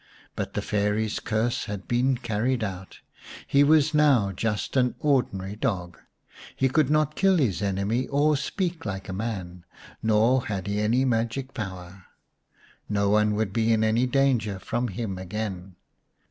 But the Fairy's curse had been carried out. He was now just an ordinary dog. He could not kill his enemy or speak like a man, nor had he any magic power. No one would be in any danger from him again.